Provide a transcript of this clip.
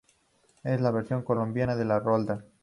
Es la versión colombiana de Los Roldán.